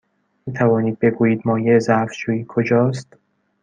می توانید بگویید مایع ظرف شویی کجاست؟